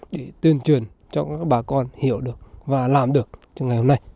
để tuyên truyền cho các bà con hiểu được và làm được trong ngày hôm nay